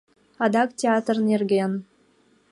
АДАК ТЕАТР НЕРГЕН